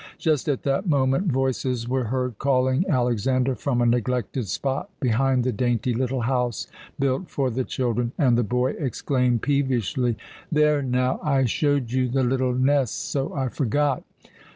Just at that moment voices were heard calling Alexander from a neglected spot behind the dainty little house built for the children, and the boy exclaimed peevishly: "There, now, I showed you the little nest, so I forgot.